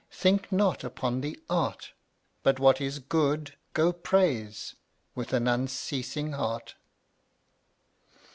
Think not upon the art, But what is Good go praise With an unceasing heart.